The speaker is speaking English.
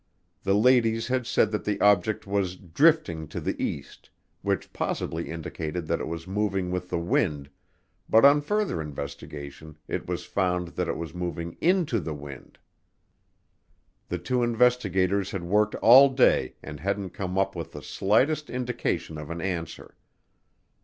The ladies had said that the object was "drifting" to the east, which possibly indicated that it was moving with the wind, but on further investigation it was found that it was moving into the wind. The two investigators had worked all day and hadn't come up with the slightest indication of an answer.